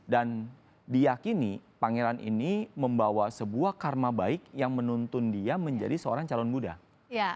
diyakini pangeran ini membawa sebuah karma baik yang menuntun dia menjadi seorang calon muda